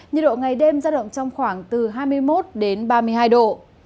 nhiệt độ ngày đêm ra động trong khoảng từ hai mươi một ba mươi hai độ